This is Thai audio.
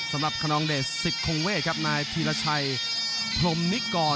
สำหรับคนนองเดชสิทธคงเวทครับนายพีรชัยพรมนิกร